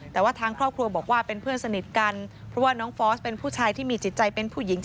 แต่ว่าทางครอบครัวบอกว่าเป็นเพื่อนสนิทกันเพราะว่าน้องฟอสเป็นผู้ชายที่มีจิตใจเป็นผู้หญิง